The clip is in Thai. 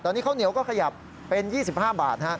ตอนนี้ข้าวเหนียวก็ขยับเป็น๒๕บาท